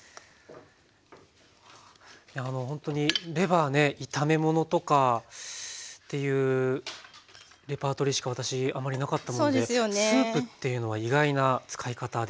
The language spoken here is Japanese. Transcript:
ほんとにレバーね炒め物とかっていうレパートリーしか私あんまりなかったものでスープっていうのは意外な使い方でした。